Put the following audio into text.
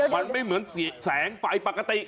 มันไม่เหมือนแสงไฟปกติ